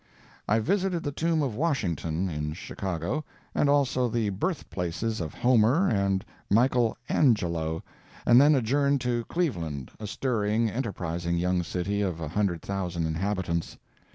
I've visited the tomb of Washington, in Chicago, and also the birth places of Homer, and Michael Angelo, and then adjourned to Cleveland, a stirring, enterprising young city of a hundred thousand inhabitants.